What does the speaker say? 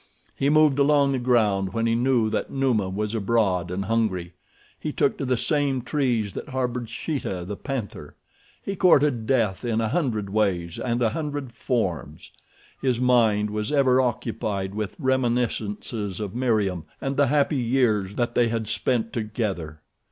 He moved along the ground when he knew that Numa was abroad and hungry. He took to the same trees that harbored Sheeta, the panther. He courted death in a hundred ways and a hundred forms. His mind was ever occupied with reminiscences of Meriem and the happy years that they had spent together.